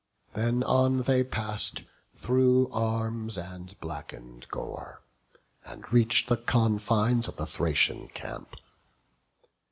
Then on they pass'd thro' arms and blacken'd gore, And reach'd the confines of the Thracian camp.